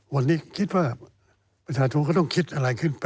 วันนี้คิดว่าประชาชนก็ต้องคิดอะไรขึ้นไป